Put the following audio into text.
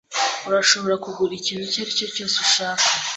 Urashobora kugura ikintu icyo ari cyo cyose ushaka,